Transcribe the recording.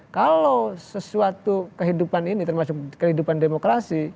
kalau sesuatu kehidupan ini termasuk kehidupan demokrasi